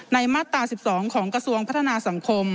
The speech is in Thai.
มาตรา๑๒ของกระทรวงพัฒนาสังคม